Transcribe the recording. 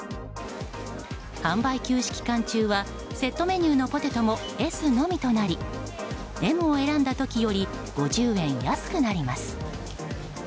販売休止期間中はセットメニューのポテトもＳのみとなりＭを選んだ時より５０円安くなります。